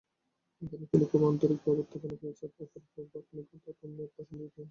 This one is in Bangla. এখানে তিনি খুবই আন্তরিক অভ্যর্থনা পেয়েছেন এবং অপূর্ব বাগ্মিতাপূর্ণ এক ভাষণ দিয়েছেন।